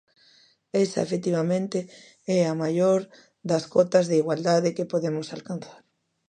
Esa, efectivamente, é a maior das cotas de igualdade que podemos alcanzar.